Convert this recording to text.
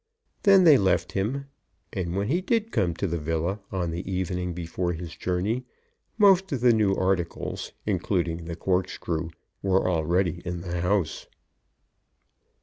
Then they left him, and when he did come to the villa on the evening before his journey, most of the new articles, including the corkscrew, were already in the house.